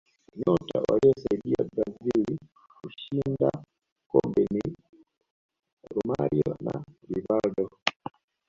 nyota waliyoisaidia brazil kushinda kombe ni romario na rivaldo